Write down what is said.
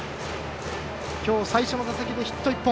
きょう最初の打席でヒット１本。